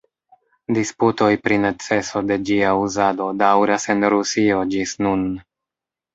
Disputoj pri neceso de ĝia uzado daŭras en Rusio ĝis nun.